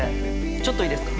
ちょっといいですか？